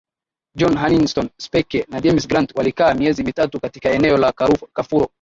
John Hannington Speke na James Grant walikaa miezi mitatu katika eneo la Kafuro